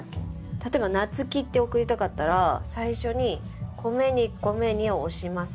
例えば「ナツキ」って送りたかったら最初に「＊２＊２」を押します。